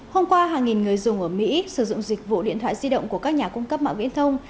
hôm qua hàng nghìn người dùng ở mỹ sử dụng dịch vụ điện thoại di động của các nhà cung cấp mạng viễn thông